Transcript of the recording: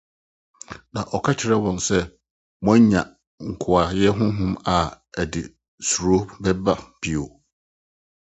Ɔka kyerɛɛ wɔn sɛ: “ Moannya nkoayɛ honhom a ɛde osuro ba bio